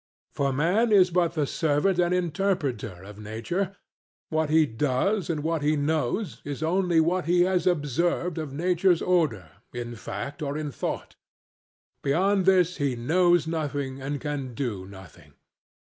For man is but the servant and interpreter of nature: what he does and what he knows is only what he has observed of nature's order in fact or in thought; beyond this he knows nothing and can do nothing.